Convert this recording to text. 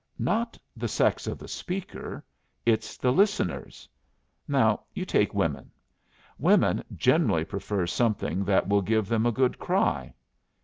"Not the sex of the speaker. It's the listeners. Now you take women. Women generally prefer something that will give them a good cry.